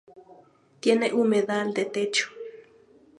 Tiene Humedal de Techo.